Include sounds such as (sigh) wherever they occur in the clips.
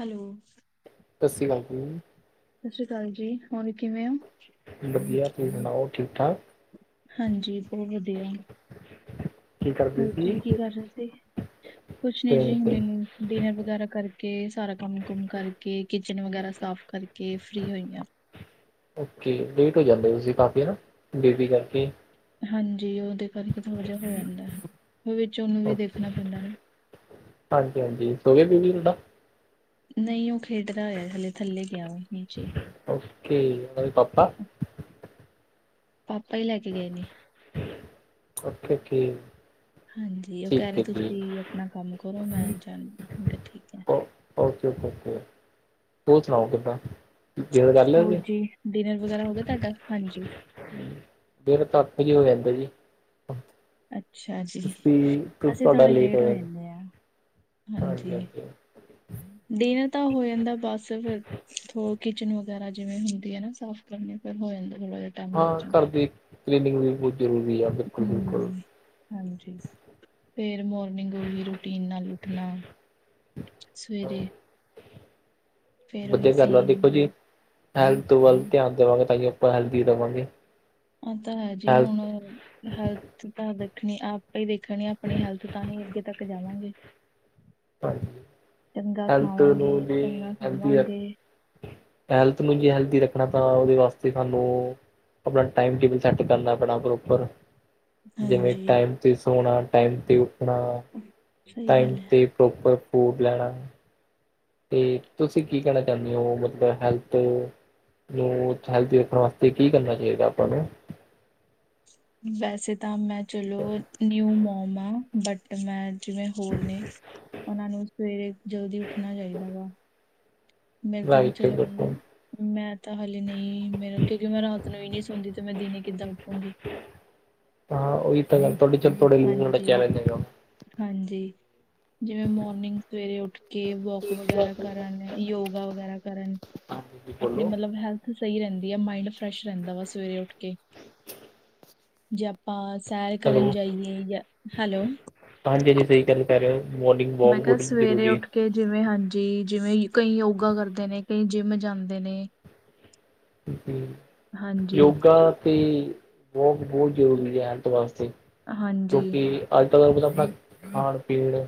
Hello. ਸਤ ਸ੍ਰੀ ਕਾਲ ਜੀ। ਸਤ ਸ਼੍ਰੀ ਕਾਲ ਜੀ, ਹੁਣ ਕਿਵੇਂ ਔ? ਵਧੀਆ, ਤੁਹੀਂ ਸੁਣਾਓ ਠੀਕ-ਠਾਕ? ਹਾਂਜੀ, ਬੋਹ ਵਧੀਆ। ਕੀ ਕਰਦੇ ਹੋਰ ਜੀ, ਸੀ ਕੀ ਕਰ ਰਹੇ ਸੀ? ਕੁਛ ਨੀ ਤੇ ਜੀ ਤੇ ਡੀਨਰ-ਡੀਨਰ ਵਗੈਰਾ ਕਰਕ ਕੇ ਸਾਰਾ ਕੰਮ-ਕੁਮ ਕਰਕੇ, ਕਿਚਨ ਵਗੈਰਾ ਸਾਫ ਕਰਕੇ ਫ੍ਰੀ ਹੋਈ ਆਂ। ਓਕੇ, ਲੇਟ ਹੋ ਜਾਂਦੇ ਤੁਸੀਂ ਕਾਫੀ ਹੈਨਾ, ਬੇਬੀ ਕਰਕੇ। ਹਾਂਜੀ। ਉਹਦੇ ਕਰਕੇ ਥੋੜਾ ਜਿਹਾ ਹੋ ਜਾਂਦਾ। ਉਹ ਵਿੱਚ ਉਹਨੂੰ ਵੀ ਦੇਖਣਾ ਪੈਂਦਾ ਨਾ। ਹਾਂਜੀ-ਹਾਂਜੀ, (unintelligible) ਸੋਵੇ ਵੀ ਤੁਹਾਡਾ। ਨਹੀਂ, ਉਹ ਖੇਡਦਾ ਹੋਇਆ, ਹਲੇ ਥੱਲੇ ਗਿਆ। ਉਹ ਨ ਓਕੇ। ਉਹ ਦੇ ਪਾਪਾ, (inaudible) ਪਾਪਾ ਹੀ ਲੈ ਕੇ ਗਏ ਨੇ। Okay, okay. ਹਾਂਜੀ। ਉਹ ਕਹਿ ਠੀਕ ਰਹੇ, ਹੈ ਜੀ ਤੁਸੀਂ ਆਪਣਾ ਕੰਮ ਕਰੋ ਮੈਂ ਜਾਂਦੀ ਕਿਹਾ ਠੀਕ ਹੈ। ਓ ਓਕੇ- ਓਕੇ- ਓਕੇ, ਹੋਰ ਸੁਣਾਓ ਕਿੱਦਾਂ? ਡੇਢ ਕਰ ਲਿਆ ਹੋਰ ਜੀ, ਡਿਨਰ ਵਗੈਰਾ ਹੋ ਗਿਆ, ਤੁਹਾਡਾ ਹਾਂਜੀ। ਜੜ ਧਥ ਜੀ ਹੋ ਜਾਂਦੇ ਨੇ, ਅੱਛਾ ਜੀ। ਸੀ ਅਸੀਂ ਤੁਹਾਡਾ ਥੋੜੇ ਲੇਟ ਹੋ ਹੋਇਆ। ਜਾਂਦੇ ਆ ਹਾਂਜੀ, ਹਾਂਜੀ, ਡਿਨਰ ਤਾਂ ਹੋ ਜਾਂਦਾ, ਬਸ ਫੇਰ, ਔ ਕਿਚਨ ਵਗੈਰਾ ਜਿਵੇਂ ਹੁੰਦੀ ਹੈ, ਨਾ ਸਾਫ਼ ਕਰਨੀ ਫਿਰ ਹੋ ਜਾਂਦਾ ਥੋੜ੍ਹਾ ਜ ਹਾਂ। ਘਰ ਦੀ ਕਲੀਨਿੰਗ ਵੀ ਬਹੁਤ ਜ਼ਰੂਰੀ ਆ। ਬਿਲਕੁਲ ਬਿਲਕੁਲ ਹੂੰ, ਹਾਂਜੀ। ਫੇਰ ਮੋਰਨਿੰਗ ਉਹੀ ਰੂਟੀਨ ਨਾਲ ਉੱਠਣਾ। ਸਵੇਰੇ, ਫੇਰ ਉਹੀ ਵਧੀਆ ਗੱਲ ਆ ਸੇਮ ਦੇਖੋ ਡੇ ਜੀ, ਹੈਲਥ ਵੱਲ ਧਿਆਨ ਦੇਵਾਂਗੇ, ਤਾਂ ਕਿ ਆਪਾਂ ਹੈਲਦੀ ਰਵਾਂਗੇ। ਆਹ ਤਾਂ ਹੈ ਜੀ ਹੁਣ, ਹੈਲਥ ਹੈਲਥ ਤਾਂ ਦੇਖਣੀ, ਆਪ ਹੀ ਦੇਖਣੀ ਆਪਣੀ ਹੈਲਥ, ਤਾਂ ਹੀ ਅੱਗੇ ਤੱਕ ਜਾਵਾਂਗੇ। ਚੰਗਾ ਹੈਲਥ ਮੂ ਖਾਵਾਂਗੇ, ਨਹੀ, ਚੰਗਾ ਹੈਲਥੀ ਹੈ ਸੋਵਾਂਗੇ ਹੈਲਥ ਨੂੰ ਜੇ ਹੈਲਦੀ ਰੱਖਣਾ, ਤਾਂ ਉਹਦੇ ਵਾਸਤੇ ਸਾਨੂੰ ਆਪਣਾ ਟਾਈਮ ਟੈਬਲ ਸੈੱਟ ਕਰ ਲੈ, ਬੜਾ ਪ੍ਰੋਪਰ, ਜਿਵੇਂ ਹਾਂਜੀ। ਟਾਈਮ ਤੇ ਸੋਣਾ, ਟਾਈਮ ਤੇ ਉੱਠਣਾ ਸਹੀ ਟਾਈਮ ਗੱਲ ਹੈ, ਤੇ, ਪ੍ਰੋਪਰ ਫੂਡ ਲੈਣਾ। ਤੇ ਤੁਸੀਂ ਕੀ ਕਹਿਣਾ ਚਾਹੁੰਦੇ ਹੋ, ਮਤਲਬ ਹੈਲਥ ਨੂੰ ਹੈਲਥ ਰੱਖਣ ਵਾਸਤੇ। ਤੇ ਕੀ ਕਰਨਾ ਚਾਹੀਦਾ ਆਪਾਂ ਨੂੰ ਵੈਸੇ ਤਾਂ ਮੈਂ ਚਲੋ, ਨਿਊ ਮੋਮ ਆ, ਬਟ ਮੈਂ, ਜਿਵੇਂ ਹੋਰ ਨੇ, ਉਹਨਾਂ ਨੂੰ ਸਵੇਰੇ ਜਲਦੀ ਉੱਠਣਾ ਚਾਹੀਦਾ ਵਾ, ਮੈਨੂੰ ਤਾਂ, ਰਾਈਟ ਚਲੋ ਬਿਲਕੁਲ ਮਿਲਣੇ ਆਂ ਮੈਂ ਤਾਂ ਹਾਲੇ ਨਹੀਂ ਮੇਰਾ, ਕਿਉਂਕਿ ਮੈਂ ਰਾਤ ਨੂੰ ਵੀ ਨੀ ਸੋਂਦੀ, ਤੇ ਮੈਂ ਦਿਨ ਕਿੱਦਾਂ ਉੱਠੂਗੀ। ਤਾਂ ਉਹੀ ਤਾਂ ਗੱਲ ਤੁਹਾਡੀ, ਚਲ ਤੁਹਾਡੇ ਮੂਡ ਦਾ ਹਾਂਜੀ ਚੈਨਲ ਲਗਾਵਾਂ। ਹਾਂਜੀ, ਜਿਵੇਂ ਮੋਰਨਿੰਗ ਸਵੇਰੇ ਉੱਠ ਕੇ ਵੋਕ ਵਗੈਰਾ ਕਰਨ, ਯੋਗਾ ਵਗੈਰਾ ਕਰਨ, ਹਾਂਜੀ ਜੀ ਆਪਣੀ ਬੋਲੋ ਮਤਲਬ ਹੈਲਥ ਸਹੀ ਰਹਿੰਦੀ ਆ, ਮਾਇੰਡ ਫਰੈਸ਼ ਰਹਿੰਦਾ ਵਾ, ਸਵੇਰੇ ਉੱਠ ਕੇ ਜੇ ਆਪਾਂ ਸੈਰ ਕਰਨ ਜਾਈਏ ਜਾਂ, ਹੈਲੋ, ਆਂਟੀਜੀ, ਸਹੀ ਗੱਲ ਕਹਿ ਰਹੇ ਹੋ, ਮੋਰਨਿੰਗ ਵਾਕ ਹੋਣੀ ਜ਼ਰੂਰੀ ਹੈ। ਕਿ ਜਿਵੇਂ ਹਾਂਜੀ, ਜਿਵੇਂ ਕਈ ਯੋਗਾ ਕਰਦੇ ਨੇ, ਕਈ ਜਿੰਮ ਜਾਂਦੇ ਨੇ। ਹੂੰ, ਹਾਂਜੀ ਯੋਗਾ ਤੇ ਬੋਤ ਬਹੁਤ ਜ਼ਰੂਰੀ ਹੈ, ਹੈਲਥ ਵਾਸਤੇ ਹਾਂਜੀ, ਅੱਜ-ਕੱਲ੍ਹ ਪਤਾ ਆਪਣਾ ਖਾਣ ਪੀਣ,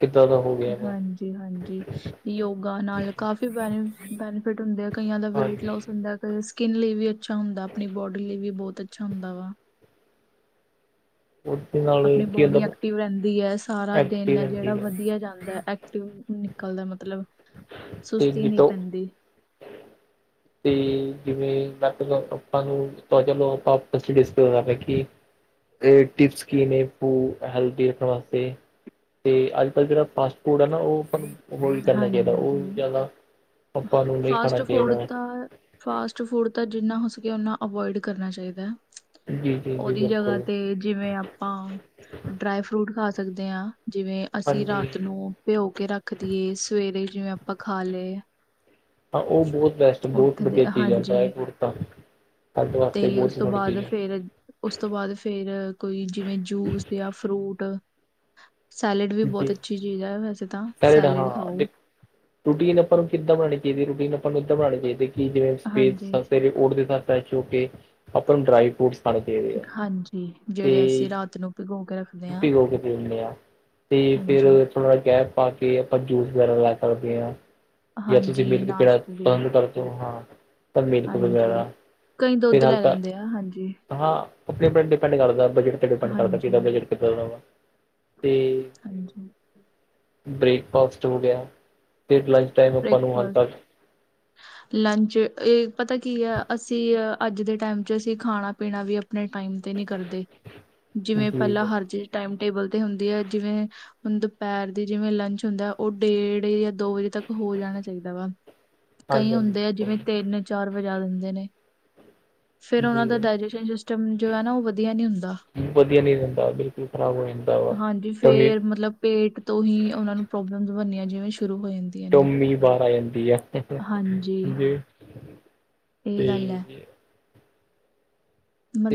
ਕਿੱਦਾਂ ਦਾ ਹੋ ਗਿਆ। ਹਾਂਜੀ ਹਾਂਜੀ ਯੋਗਾ ਨਾਲ ਕਾਫ਼ੀ ਬੈਨੀ ਬੈਨੀਫਿਟ ਹੁੰਦੇ ਹੈ, ਕਈਆਂ ਦਾ ਵੇਟ ਹਾਂਜੀ ਲੋਸ ਹੁੰਦਾ। ਤੇ ਸਕਿੰਨ ਲਈ ਵੀ ਅੱਛਾ ਹੁੰਦਾ, ਆਪਣੀ ਬੋਡੀ ਲਈ ਵੀ ਬਹੁਤ ਅੱਛਾ ਹੁੰਦਾ ਵਾ ਬ (unintelligible) ਆਪਣੀ ਬੋਡੀ ਐਕਟਿਵ ਰਹਿੰਦੀ ਹੈ, ਸਾਰਾ ਦਿਨ ਐਕਟਿਵ ਹੈ ਜਿਹੜਾ ਰਹਿੰਦੀ ਵਧੀਆ ਜਾਂਦਾ। ਐਕਟਿਵ ਨਿਕਲਦਾ ਮਤਲਬ, ਤੇ ਸੁਸਤੀ ਨੀ ਜਿੱਤੋਂ ਪੈਂਦੀ। ਤੇ ਜਿਵੇਂ ਮੈਂਲ ਆਪਾਂ ਨੂੰ ਤਾਂ ਚਲੋ ਆਪਾਂ ਕਰ ਕਿ (inaudible) ਟਿਪਸ ਕੀ ਨੇ, ਫੂ ਹੈਲਦੀ ਰੱਖਣ ਵਾਸਤੇ। ਤੇ ਅੱਜ ਕੱਲ੍ਹ ਜਿਹੜਾ ਫਾਸਟ ਫੂਡ ਐ ਨਾ, ਉਹ ਆਪ ਉਹੀ ਕਰਨਾ ਚਾਹੀਦਾ, ਹਾਂਜੀ ਉਹਹੀ ਜ਼ਿਆਦਾ ਆਪਾਂ ਨੂੰ ਨਹੀਂ ਖਾਣਾ ਫਾਸਟ ਫੂਡ ਚਾਹੀਦਾ ਹੈ। ਤਾਂ ਫਾਸਟ ਫੂਡ ਤਾਂ ਜਿੰਨਾ ਹੋ ਸਕੇ, ਓਨਾ ਅਵੋਇਡ ਕਰਨਾ ਚਾਹੀਦਾ। ਜੀ ਜੀ ਜੀ ਔਦੀ ਜਗ੍ਹਾ ਬਿਲਕੁਲ ਤੇ ਜਿਵੇਂ ਆਪਾਂ ਡਰਾਈ ਫਰੂਟ ਖਾ ਸਕਦੇ ਹਾਂ, ਜਿਵੇਂ ਅਸੀਂ ਹਾਂਜੀ ਰਾਤ ਨੂੰ ਭਿਉ ਕੇ ਰੱਖ ਤੇ ਸਵੇਰੇ ਜਿਵੇਂ ਆਪਾਂ ਖਾ ਲਏ। ਹਾਂ, ਉਹ ਬਹੁਤ ਬੈਸਟ ਬਹੁਤ ਉੱਠਦੇ ਵਧੀਆ ਚੀਜ਼ ਆ, ਡਰਾਈ ਹਾਂਜੀ ਫਰੂਟ ਤਾਂ ਖਾਡ ਵਾਸਤੇ ਤੇ ਉਸ ਤੋਂ ਬਹੁਤੋੜੀ ਚੀਜ਼ ਬਾਅਦ ਹੈ। ਫੇਰ ਉਸ ਤੋਂ ਬਾਅਦ ਫੇਰ ਕੋਈ, ਜਿਵੇਂ ਜੂਸ ਜਾਂ ਫਰੂਟ ਸੈਲਡ ਵੀ ਬਹੁਤ ਜੀ ਅੱਛੀ ਚੀਜ਼ ਹੈ ਵੈਸੇ ਤਾਂ, ਹਾਂ ਸੈਲਡ ਖਾਓ। ਦੇਖ ਰੂਟੀਨ ਆਪਾਂ ਨੂੰ ਕਿੱਦਾਂ ਬਣਾਉਣੀ ਚਾਹੀਦੀ ਹੈ, ਰੂਟੀਨ ਆਪਾਂ ਨੂੰ ਇੱਦਾਂ ਬਣਾਉਣੀ ਚਾਹੀਦੀ ਕਿ ਜਿਵੇਂ ਹਾਂਜੀ ਉਠਦੇ ਸਾਰ ਫਰੈਸ਼ ਹੋ ਕੇ, ਆਪਾਂ ਨੂੰ ਡਰਾਈ ਫਰੂਟਸ ਫੜ ਦੇਦੇ ਆ ਹਾਂਜੀ ਤੇ ਜਿਹੜੇ ਅਸੀਂ ਰਾਤ ਨੂੰ ਭਿਗੋ ਕੇ ਰੱਖਦੇ ਹਾਂ ਟੁਟੀ ਕੇ ਦੇ ਦਿੰਦਾ ਹਾਂ। ਤੇ ਫੇਰ ਹਾਂਜੀ ਥੋੜ੍ਹਾ ਗੈਪ ਪਾ ਕੇ ਆਪਾਂ ਜੂਸ ਵਗੈਰਾ ਲੈ ਸਕਦੇ ਹਾਂ। ਜਾਂ ਤੁਸੀਂ ਹਾਂਜੀ ਮਿਲ ਕੇ ਪੀਣਾ ਨਾਸ਼ਤੇ ਦੇ ਵਿੱਚ ਪਸੰਦ ਕਰਦੇ ਹੋ ਹਾਂ। ਮਿਲਕ ਹਾਂਜੀ ਵਗੈਰਾ ਕਈ ਦੁੱਧ ਫਿਲਹਾਲ ਲੈ ਤਾਂ ਲੈਂਦੇ ਆ ਹਾਂਜੀ ਹਾਂ ਆਪਣੇ ਡਿਪੈਂਡ ਕਰਦਾ ਬਜਟ ਤੇ ਡਿਪੈਂਡ ਕਰਦਾ, ਕਿ ਹਾਂਜੀ ਬਜਟ ਕਿੱਦਾਂ ਦਾ ਵਾ ਤੇ ਹਾਂਜੀ ਬ੍ਰੇਕਫਾਸਟ ਹੋ ਗਿਆ, ਫਿਰ ਲੰਚ ਟਾਈਮ ਆਪਾਂ ਨੂੰ ਹਲਕਾ ਜੀ ਬ੍ਰੇਕਫਾਸਟ ਲੰਚ ਇਹ ਪਤਾ ਕੀ ਹੈ, ਅਸੀਂ ਅੱਜ ਦੇ ਟਾਈਮ ਚ ਅਸੀਂ ਖਾਣਾ ਪੀਣਾ ਵੀ। ਆਪਣੇ ਟਾਈਮ ਤੇ ਨੀ ਕਰਦੇ ਜਿਵੇਂ, ਹਾਂਜੀ ਪਹਿਲਾਂ ਹਰ ਜੇ ਟਾਈਮ ਟੇਬਲ ਤੇ ਹੁੰਦੀ ਹੈ, ਜਿਵੇਂ ਹੁਣ ਦੁਪਹਿਰ ਦੀ ਜਿਵੇਂ ਲੰਚ ਹੁੰਦਾ ਹੈ, ਉਹ ਡੇਢ ਜਾਂ ਦੋ ਵਜੇ ਤੱਕ ਹੋ ਜਾਣਾ ਚਾਹੀਦਾ ਵਾ ਕਈ ਹਾਂਜੀ ਹੁੰਦੇ ਆ, ਬਿਲਕੁਲ ਜਿਵੇਂ ਤਿੰਨ ਚਾਰ ਵਜਾ ਦਿੰਦੇ ਨੇ ਫੇਰ ਉਹਨਾਂ ਦਾ ਜੀ ਡਾਇਜੈਸ਼ਨ ਸਿਸਟਮ ਜੋ ਹੈ, ਨਾ ਉਹ ਵਧੀਆ ਨਹੀਂ ਹੁੰਦਾ। ਵਧੀਆ ਨਹੀਂ ਹੁੰਦਾ ਵਾ, ਬਿਲਕੁਲ ਖਰਾਬ ਹੋ ਜਾਂਦਾ ਵਾ। ਹਾਂਜੀ ਫੇਰ ਮਤਲਬ ਪੇਟ ਤੋਂ ਹੀ ਉਹਨਾਂ ਨੂੰ ਪ੍ਰੋਬਲਮ ਬਣੀਆਂ ਜਿਵੇਂ ਸ਼ੁਰੂ ਹੋ ਜਾਂਦੀ। ਟੌਮੀ ਵਾਰ ਆ ਜਾਂਦੀ ਆ ਹਾਂਜੀ ਇਹ ਤੇ ਗੱਲ ਹੈ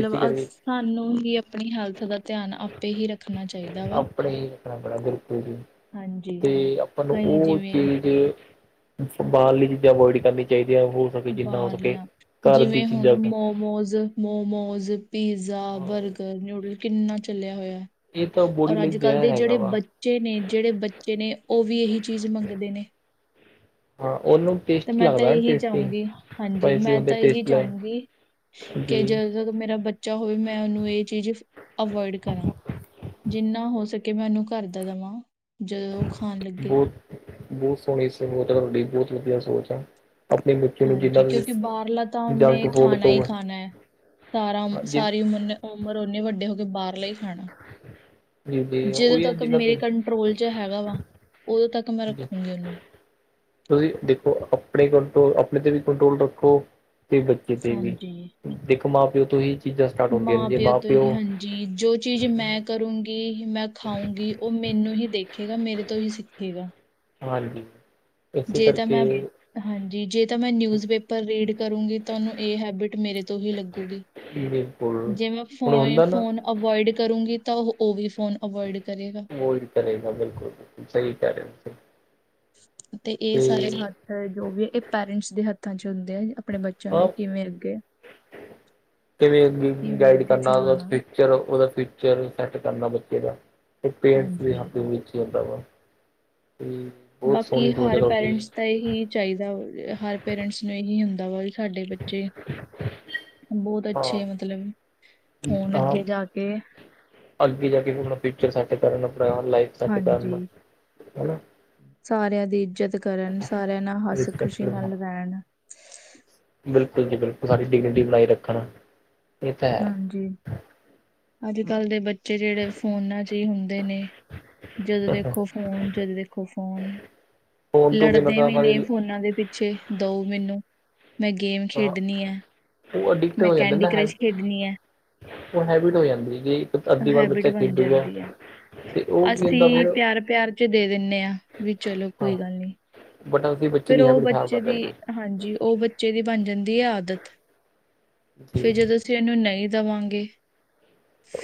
ਇਸ ਅ ਕਰਕੇ ਸਾਨੂੰ ਹੀ ਆਪਣੀ ਹੈਲਥ ਦਾ ਧਿਆਨ ਆਪੇ ਹੀ ਰੱਖਣਾ ਚਾਹੀਦਾ ਵਾ। ਆਪਣੇ ਹੀ ਰੱਖਣਾ ਬੜਾ ਬਿਲਕੁਲ ਜੀ। ਹਾਂਜੀ, ਤੇ ਆਪਾਂ ਨੂੰ ਕਈ ਉਹ ਜਿਵੇਂ ਚੀਜ਼ ਬਾਹਰਲੀ ਚੀਜ਼ਾਂ ਅਵੋਇਡ ਕਰਨੀਆਂ ਚਾਹੀਦੀਆਂ ਹੋ। ਸਕੇ ਜਿੰਨਾ ਹੋ ਸਕੇ ਬਾਹਰਲੀਆਂ ਘਰ ਦੀ ਜਿਵੇਂ, ਹੁਣ ਚੀਜ਼ਾਂ ਮੋਮੋਸ ਮੋਮੋਸ, ਪੀਜ਼ਾ, ਹਾਂ ਬਰਗਰ, ਨਿੂਡਲ ਕਿੰਨਾ ਚਲਿਆ ਹੋਇਆ। ਇਹ ਤਾਂ ਬੋਡੀ ਔਰ ਲਈ ਅੱਜ-ਕੱਲ੍ਹ, ਜ਼ਹਿਰ ਦੇ ਹੈਗਾ ਜਿਹੜੇ ਵਾ ਬੱਚੇ ਨੇ ਜਿਹੜੇ ਬੱਚੇ ਨੇ ਉਹ ਵੀ ਇਹੀ ਚੀਜ਼ ਮੰਗਦੇ ਨੇ। ਹਾਂ, ਉਹਨੂੰ ਤੇ ਟੇਸਟੀ ਮੈਂ ਤਾਂ ਲੱਗਦਾ ਨਾ ਇਹੀ ਟੇਸਟੀ ਚਾਹੂੰਗੀ, ਹਾਂਜੀ ਸਪਾਈਸੀ ਮੈਂ ਹੁੰਦੇ ਤਾਂ ਇਹੀ ਟੇਸਟੀ ਲੱਗ ਚਾਹੂੰਗੀ ਜੀ ਕਿ ਜ ਜਦੋਂ ਮੇਰਾ ਬੱਚਾ ਹੋਵੇ, ਮੈਂ ਉਹਨੂੰ ਇਹ ਚੀਜ਼ ਅਵੋਇਡ ਕਰਾਂ। ਜਿੰਨਾ ਹੋ ਸਕੇ, ਮੈਂ ਉਹਨੂੰ ਘਰ ਦਾ ਦੇਵਾਂ ਜਦੋਂ ਉਹ ਖਾਣ ਲੱਗੇ। ਬਹੁਤ ਬਹੁਤ ਸੋਹਣੀ ਸੋਤ ਤੁਹਾਡੀ ਬਹੁਤ ਵਧੀਆ ਸੋਚ ਆ। ਆਪਣੇ ਬੱਚੇ ਨੂੰ ਜਿੰਨਾ ਹਾਂਜੀ ਕਿਉਂਕਿ, ਤੁਸੀਂ ਬਾਹਰਲਾ ਤਾਂ ਜੰਕ ਉਹਨੇ ਫੂਡ ਖਾਣਾ ਤੋਂ ਹੀ ਖਾਣਾ ਹੈ। ਸਾਰਾ ਜੀ ਸਾਰੀ ਉਮਰ ਉਮਰ ਓਨੇ ਵੱਡੇ ਹੋ ਕੇਏ ਬਾਹਰ ਲਈ ਹਾਂ, ਜੀ ਜੀ ਜਦੋਂ ਉਹੀ ਹੈ ਤੱਕ ਜਿੰਨਾ ਮੇਰੇ ਕੰਟਰੋਲ ਚ ਹੈਗਾ ਵਾ, ਉਦੋਂ ਤੱਕ ਮੈਂ ਠੀਕ। ਰੱਖੂੰਗੀ ਉਹਨੂੰ ਤੁਸੀਂ ਦੇਖੋ ਆਪਣੇ ਕੰਟਰੋ ਆਪਣੇ ਤੇ ਵੀ ਕੰਟਰੋਲ ਰੱਖੋ ਤੇ ਬੱਚੇ ਤੇ ਵੀ। ਹਾਂਜੀ ਦੇਖੋ ਮਾਂ ਪਿਓ ਤੋਂ ਹੀ। ਚੀਜ਼ਾਂ ਸਟਾਰਟ ਹੁੰਦੀਆਂ ਨੇ ਮਾਂ ਜੇ ਪਿਓ ਤੋਂ ਹੀ ਹਾਂਜੀ, ਜੋ ਚੀਜ਼ ਮੈਂ ਕਰੂੰਗੀ। ਕਿ ਮੈਂ ਖਾਊਂਗੀ, ਉਹ ਮੈਨੂੰ ਹੀ ਦੇਖੇਗਾ, ਮੇਰੇ ਤੋਂ ਹੀ ਸਿੱਖੇਗਾ। ਹਾਂਜੀ, ਇਸੇ ਜੇ ਤਾਂ ਕਰਕੇ ਮੈਂ ਹਾਂਜੀ ਜੇ ਤਾਂ ਮੈਂ ਨਿਊਜ਼ ਪੇਪਰ ਰੀਡ ਕਰੂੰਗੀ, ਤੁਨੂੰ ਇਹ ਹੈਬਿਟ ਮੇਰੇ ਤੋਂ ਹੀ ਲੱਗੂਗੀ। ਬਿਲਕੁਲ ਜਿਵੇਂ ਹੁਣ ਹੁੰਦਾ ਨਾ ਫੋਨ-ਫੋਨ ਅਵੋਇਡ ਕਰੂੰਗੀ, ਤਾਂ ਉਹ-ਉਹ ਵੀ ਫੋਨ ਅਵੋਇਡ ਕਰੇਗਾ। ਉਹਹੀ ਕਰੇਗਾ, ਬਿਲਕੁਲ-ਬਿਲਕੁਲ ਸਹੀ ਕਹਿ ਰਹੇ ਤੁਸੀ ਤੇ ਇਹ ਸਾਰੇ ਹੱਥ ਜੋ ਵੀ ਇਹ ਪੇਰੈਂਟਸ ਦੇ ਹੱਥਾਂ ਚ ਹੁੰਦੇ ਆ, ਆਪਣੇ ਬੱਚੇ ਹਾਂ ਕਿਵੇਂ ਕਿਵੇਂ ਗਾਈਡ ਅੱਗੇ ਕਰਨਾ ਚਲਾਣਾ ਫ ਉਦਾ ਫਿਊਚਰ ਸੈਟ ਕਰਨਾ, ਬੱਚੇ ਦਾ ਪੇਰਟਸ ਦੇ ਹਾਂਜੀ ਹੱਥ ਵਿੱਚ (unintelligible) ਬਾਕੀ ਸੋਚ ਹਰ ਤੁਹਾਡੀ ਪੇਰੈਂਟਸ ਦਾ ਇਹੀ ਚਾਹੀਦਾ, ਵ ਹਰ ਪੇਰੈਂਟਸ ਨੂੰ ਇਹੀ ਹੁੰਦਾ ਵਾ ਸਾਡੇ ਬੱਚੇ ਬਹੁਤ ਹਾਂ ਅੱਛੇ ਮਤਲਬ ਹੋਣ ਹਾਂ ਅੱਗੇ ਜਾ ਕੇ (inaudible) ਅੱਗੇ ਜਾ ਕੇਣਾ ਫਿਊਚਰ ਸਾ ਕਰਨਾ, ਆਪਰਾ ਲਾਈਫ ਕਰਨ ਹਾਂਜੀ ਹੈਨਾ ਸਾਰਿਆਂ ਦੀ ਇੱਜਤ ਕਰਨ ਸਾਰਿਆਂ, ਨਾਲ ਹੱਸ ਖੁਸ਼ੀ ਰਿਸਪੈਕਟ ਹਾਂ ਨਾਲ ਰਹਿਣ ਬਿਲਕੁਲ ਜੀ ਬਿਲਕੁਲ ਸਾਡੀ ਡਿਗੰਡੀ ਬਣਾਈ ਰੱਖਣਾ ਇਹ ਤਾਂ ਹਾਂਜੀ ਅੱਜ ਕੱਲ ਦੇ ਬੱਚੇ ਜਿਹੜੇ ਫੋਨਾਂ ਚ ਹੀ ਹੁੰਦੇ ਨੇ ਜਦੋਂ ਹੈ ਦੇਖੋ ਫੋਨ ਜਦੋਂ ਦੇਖੋ ਫੋਨ ਫੋਨ ਤੋਂ ਬਿਨਾਂ ਲੜਦੇ ਤਾਂ ਵੀ ਨੇ ਹਮਾਰੀ ਫੋਨਾਂ ਦੇ ਪਿੱਛੇ ਦਉ ਮੈਨੂੰ ਮੈਂ ਗੇਮ ਖੇਡਣੀ ਹੈ। ਉਹ ਐਡਿਟ ਤੇ ਮੈਂ ਹੋ ਜਾਂਦੇ ਕੈਂਡੀ ਹੈ। ਕਰਸ਼ ਖੇਡਣੀ ਹੈ ਉਹ ਹੈਬਿਟ ਹੋ ਜਾਂਦੀ ਜੇ ਇੱਕ ਅੱਧੀ ਵਾਰ ਹੈਬਿਟ ਬੱਚਾ ਬਣ ਖੇਡੂਗਾ ਜਾਂਦੀ ਹੈ ਤੇ ਉਹ ਕੀ ਹੁੰਦਾ ਅਸੀਂ ਫਿਰ ਪਿਆਰ- ਪਿਆਰ ਚ ਦੇ ਦਿੰਦੇ ਹਾਂ ਵੀ ਚਲੋ ਹਾਂ ਕੋਈ ਗੱਲ ਨੀ ਬਟ ਅਸੀਂ ਬੱਚੇ ਦੀ ਹੈਬਿਟ ਹੈ ਕਰ ਰਹੇ ਆ ਹਾਂਜੀ ਉਹ ਬੱਚੇ ਦੀ ਬਣ ਜਾਂਦੀ ਹੈ ਆਦਤ ਜੀ ਫਿਰ ਜਦੋਂ ਅਸੀਂ ਇਹਨੂੰ ਨਹੀਂ ਦੇਵਾਂਗੇ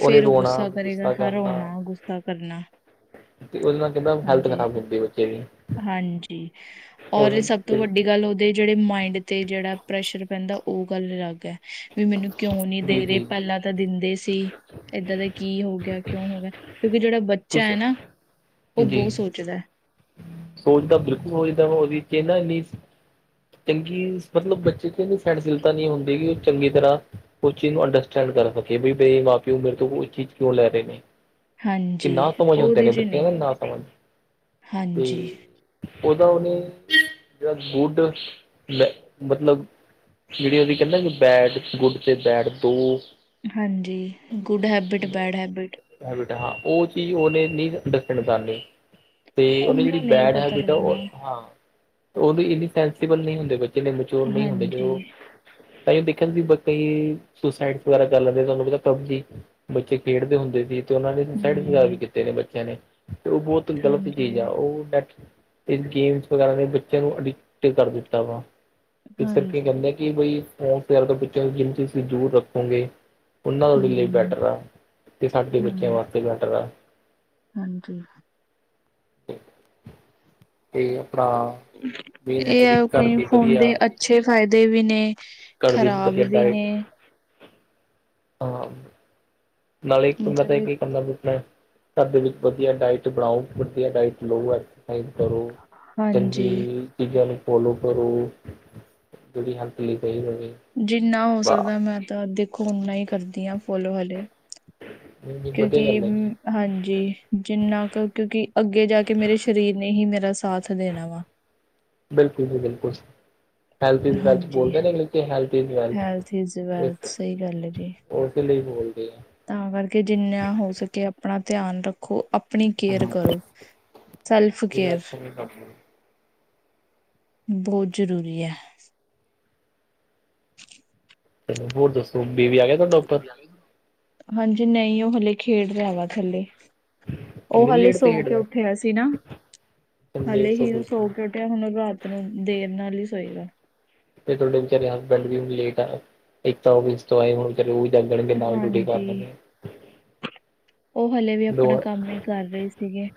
ਉਹਨੇ ਉਹ ਰੋਣਾ ਗੁੱਸਾ ਕਰੇਗਾ ਹਰ ਕਰਨਾ ਹੋਣਾ ਗੁੱਸਾ ਕਰਨਾ ਉਹਦੇ ਨਾਲ ਕਿਨਾ ਹੈਲਥ ਹਾਂਜੀ ਖ਼ਰਾਬ ਹੁੰਦੀ ਬੱਚੇ ਦੀ ਹਾਂਜੀ ਔਰ ਉਹ ਸਭ ਤੋਂ ਫਿਰ ਵੱਡੀ ਗੱਲ ਉਹ ਦੇ ਜਿਹੜੇ ਮਾਇੰਡ ਤੇ ਜਿਹੜਾ ਪ੍ਰੈਸ਼ਰ ਪੈਂਦਾ ਉਹ ਗੱਲ ਅਲੱਗ ਹੈ ਵੀ ਮੈਨੂੰ ਕਿਉਂ ਨੀ ਜੀ ਦੇ ਰਹੇ ਜੀ ਪਹਿਲਾਂ ਦਿੰਦੇ ਸੀ ਇੱਦਾਂ ਦਾ ਕੀ ਹੋ ਗਿਆ ਕਿਉਂ ਹੋ ਗਿਆ ਕਿਉਂਕਿ ਜਿਹੜਾ ਬੱਚਾ ਬੱਚਾ ਹੈ ਤੁਸੀਂ ਨਾ ਉਹ ਜੀ ਬਹੁਤ ਸੋਚਦਾ ਹੈ। ਸੋਚਦਾ ਬਿਲਕੁਲ ਹੋ ਜਿੱਦਾਂ ਵਾ ਉਹਦੀ ਚਨਾ ਇਨੀ ਚੰਗੀ ਮਤਲਬ ਬੱਚੇ ਚਦੀ ਸਹਿਣਸ਼ੀਲਤਾ ਨਹੀਂ ਹੁੰਦੀ ਕਿ ਉਹ ਚੰਗੀ ਤਰ੍ਹਾਂ ਉਹ ਚੀਜ਼ ਨੂੰ ਅੰਡਰਸਟੈਂਡ ਕਰ ਸਕੀੇ ਵੀ ਬ ਮਾਂ ਪਿਓ ਮੇਰੇ ਤੋਂ ਇਹ ਚੀਜ਼ ਕਿਉਂ ਲੈ ਰਹੇ ਨੇ ਕਿ ਹਾਂਜੀ ਨਾ ਸਮਝ ਹੁੰਦੇ ਉਹਦੇ ਨੇ 'ਚ ਬੱਚਿਆਂ ਦਾ ਨਹੀਂ ਨਾ ਸਮਝ ਤੇ ਹਾਂਜੀ ਉਹਦਾ ਉਹਨੇ ਜਿਹੜਾ (unintelligible) ਲੈ ਮਤਲਬ ਜਿਹੜੀ ਉਹਦੀ ਕਹਿੰਦੇ ਕਿ ਬੈਡ ਗੁੱਡ ਤੇ ਬੈਡ ਤੋਂ ਹਾਂਜੀ good habit bad habit habit ਹਾਂ ਉਹ ਚੀਜ਼ ਉਹਨੇ ਨਹੀਂ ਅੰਡਸਟੈਂਡ ਕਰਨੀ ਤੇ ਉਨੇ ਜਿਹੜੀ ਉਹਨੂੰ ਨਹੀਂ ਬੈਡ ਪਤਾ ਹੈਬਿਟ ਆ ਉਹ ਲੱਗਣਾ ਹਾਂ ਉਹਦੇ ਇੰਨੀ ਸੈਂਸੀਬਲ ਨਹੀਂ ਹੁੰਦੇ ਬੱਚੇ ਮੇਰੇ ਮੈਚੋਰ ਨਹੀਂ ਹੁੰਦੇ ਹਾਂਜੀ ਜੋ ਤਾਂ ਦੇਖਣ ਸੀ ਕਈ ਸੁਸਾਈਡ ਵਗੈਰਾ ਕਰ ਲੈਂਦੇ ਤੁਹਾਨੂੰ ਪਤਾ ਪਬਜੀ ਬੱਚੇ ਖੇਡਦੇ ਹੁੰਦੇ ਸੀ ਤੇ ਉਹਨਾਂ ਨੇ ਸਾਈਡ ਵਗੈਰਾ ਵੀ ਹੂੰ ਕੀਤੇ ਨੇ ਬੱਚਿਆਂ ਨੇ ਤੇ ਉਹ ਬਹੁਤ ਗ਼ਲਤ ਹਾਂਜੀ ਚੀਜ਼ ਆ ਉਹ ਓ ਦੈਟ ਗੇਮ ਵਗੈਰਾ ਨੇ ਬੱਚਿਆਂ ਨੂੰ ਅਡਿਕਟ ਤੇ ਕਰ ਦਿੱਤਾ ਵਾ ਇਸ ਕਰਕੇ ਹਾਂਜੀ ਕਹਿੰਦੇ ਕਿ ਬਈ ਫੋਨ ਤੋਂ ਪਿੱਛੋਂ ਜਿੰਨ ਚੀਜ਼ ਦੂਰ ਰੱਖੋਗੇ ਉਹਨਾਂ ਤੁ ਲਈ ਹੂੰ ਬੈਟਰ ਆ ਤੇ ਸਾਡੇ ਬੱਚਿਆਂ ਹੂੰ ਵਾਸਤੇ ਬੈਟਰ ਆ ਹਾਂਜੀ। ਤੇ ਆਪਾਂ ਇਹ ਹੈ ਕਈ ਫੋਨ ਦੇ ਅੱਛੇ ਫਾਇਦੇ ਵੀ ਨੇ ਘਰ ਦੀ ਖ਼ਰਾਬ ਵਧੀਆ ਵੀ ਡਾਇਟ ਨੇ ਹਾਂ (unintelligible) ਨਾਲੇ ਇੱਕ ਪੰਗਾ ਮਤਲਬ ਇਹ (unintelligible) ਸਾਡੇ ਵਿੱਚ ਵਧੀਆ ਡਾਇਟ ਬਣਾਓ ਵਧੀਆ ਡਾਇਟ ਲਓ ਡਾਇਟ ਕਰੋ ਚੰਗੀ ਹਾਂਜੀ ਚੀਜ਼ਾਂ ਨੂੰ ਫੋਲੋ ਕਰੋ ਜਿਹੜੀ ਹੈਲਥ ਲਈ ਸਹੀ ਰਵੇ। ਜਿੰਨਾ ਹੋ ਸਕਦਾ ਮੈਂ ਤਾਂ ਦੇਖੋ ਓਨਾ ਹੀ ਕਰਦੀ ਹਾਂ ਫੋਲੋ ਹਾਲੇ। ਨਹੀਂ ਨਹੀਂ ਵਧੀਆ ਕਿਉਂਕਿ ਗੱਲ ਹੈ ਜੀ ਹਾਂਜੀ ਜਿੰਨਾ ਕੁ ਕਿਉਂਕਿ ਅੱਗੇ ਜਾ ਕੇ ਮੇਰੇ ਸਰੀਰ ਨੇ ਹੀ ਮੇਰਾ ਸਾਥ ਦੇਣਾ ਵਾ। ਬਿਲਕੁਲ ਜੀ ਬਿਲਕੁਲ। ਹੈਲਥ ਇੰਜ ਵੈਲਥ ਹਾਂਜੀ, ਬੋਲਦੇ ਕਿਉਂਕਿ health is wealth health is wealth ਸਹੀ ਗੱਲ ਹੈ ਜੀ। ਉਹਦੇ ਲਈ ਬੋਲਦੇ ਆ। ਤਾਂ ਕਰਕੇ ਜਿੰਨਾ ਹੋ ਸਕੇ ਆਪਣਾ ਧਿਆਨ ਰੱਖੋ। ਆਪਣੀ ਕੇਅਰ ਕਰੋ ਸੈਲਫ ਜਿਵੇਂ ਕੇਅਰ ਅੱਖੋਂ ਵੀ ਕੰਮ ਚਲੋ ਬਹੁਤ ਜ਼ਰੂਰੀ ਹੈ। ਚਲੋ ਹੋਰ ਦੱਸੋ ਬੇਵੀ ਆ ਗਏ ਹਾਂਜੀ ਨਹੀਂ ਉਹ ਹਲੇ ਖੇਡ ਰਿਹਾ ਵਾ ਥੱਲੇ ਉਹ ਇੰਨੀ ਹਾਲੇ ਲੇਟ ਤੇ ਸੌ ਕੇ ਖੇਡਦਾ ਉੱਠਿਆ ਸੀ ਨਾ ਹਾਲੇ ਹੀ ਉਹ ਸੋ ਕੇ ਉੱਠਿਆ ਹੁਣ ਰਾਤ ਨੂੰ ਦੇਰ ਨਾਲ ਹੀ ਸੋਏਗਾ। ਫ ਤੁਹਾਡੇ ਬਾਰੇ ਹਸਬੈਂਡ ਵੀ ਹੁਣ ਲੇਟ ਆ ਇੱਕ ਤਾਂ ਉਹ ਵੀ ਏ ਹੁਣ ਚ ਉਹ ਜਾਗ ਜਾਣਗੇ ਨਾਲ ਵੀ ਟੂਟੀ ਕਰ ਲੱਗੇ। ਹਾਂਜੀ, ਉਹ ਹਲੇੇ ਵੀ ਆਪਣਾ ਕੰਮ ਹੀ ਕਰ ਰਹੇ ਸੀਗੇ।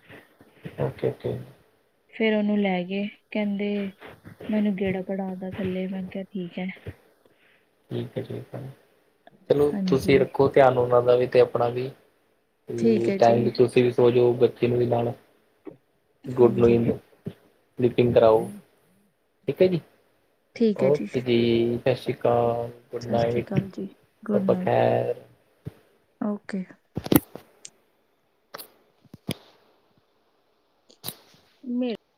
ਓਕੇ ਓਕੇ ਫੇਰ ਉਹਨੂੰ ਲੈ ਗਏ ਕਹਿੰਦੇ ਮੈਨੂੰ ਗੇੜਾ ਕੜਾ ਦਾ ਥੱਲੇ ਮੈਂ ਕਿਹਾ ਠੀਕ। ਠੀਕ ਹੈ ਠੀਕ ਹੈ, ਚਲੋ ਤੁਸੀਂ ਹਾਂਜੀ ਰੱਖੋ ਧਿਆਨ ਉਹਨਾਂ ਦਾ ਵੀ ਤੇ ਆਪਣਾ ਵੀ। ਠੀਕ ਤੇ ਹੈ ਜੀ ਟਾਈਮ ਤੇ ਤੁਸੀਂ ਵੀ ਸੋ ਜਾਓ ਬੱਚੇ ਨੂੰ ਵੀ ਨਾਲ ਗੁਡ ਹਾਂਜੀ ਨਇੰਗ ਲੀਪਿੰਗ ਕਰਾਓ ਠੀਕ ਹੈ ਜੀ। ਠੀਕ ਹੈ ਓਕੇ ਜੀ ਸਤਿ ਸ਼੍ਰੀ ਅਕਾਲ ਗੁਡ ਸਤਿ ਸ਼੍ਰੀ ਨਾਈਟਰ ਅਕਾਲ ਜੀ ਗੁੱਡ ਛਬਾ ਨਾਈਟ ਖੈਰ ਓਕੇ ਮੇ